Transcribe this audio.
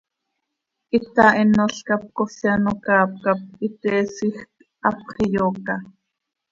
Hita hinol cap cosi ano caap cap itésijc, hapx iyooca.